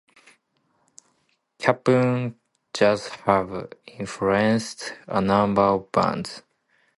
Cap'n Jazz have influenced a number of bands.